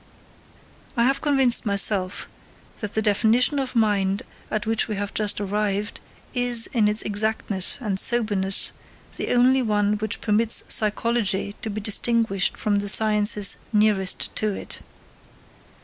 I have convinced myself that the definition of mind at which we have just arrived is, in its exactness and soberness, the only one which permits psychology to be distinguished from the sciences nearest to it.